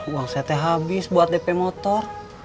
uang saya teh habis buat dp motor